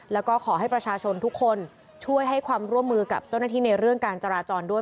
แล้วก็ขอให้ประชาชนทุกคนช่วยให้ความร่วมมือกับเจ้าหน้าที่ในเรื่องการจราจรด้วย